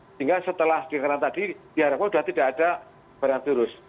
sehingga setelah dikeran tadi diharapkan sudah tidak ada barang virus